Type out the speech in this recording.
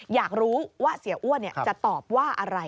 อยากรู้ว่าเสียอ้วนจะตอบว่าอะไร